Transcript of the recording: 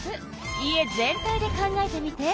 家全体で考えてみて。